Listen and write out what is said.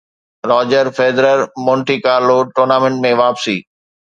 Roger Federer Monte Carlo tournament ۾ واپسي